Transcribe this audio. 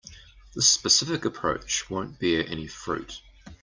This specific approach won't bear any fruit.